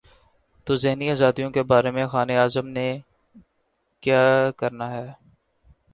تو ذہنی آزادیوں کے بارے میں خان اعظم نے کیا کرنا ہے۔